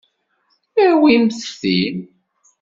Awim ti.